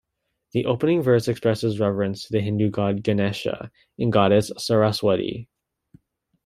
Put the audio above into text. The opening verse expresses reverence to the Hindu god Ganesha and goddess Saraswati.